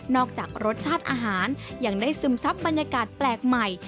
จากรสชาติอาหารยังได้ซึมซับบรรยากาศแปลกใหม่